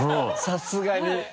さすがに。